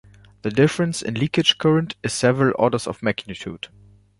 The difference in leakage current is several orders of magnitude.